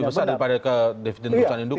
lebih besar daripada ke dividen ke perusahaan induknya